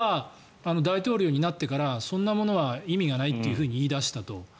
ゼレンスキー大統領は大統領になってからそんなものは意味がないと言い出したと。